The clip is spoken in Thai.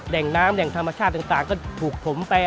แหล่งน้ำแหล่งธรรมชาติต่างก็ถูกถมไป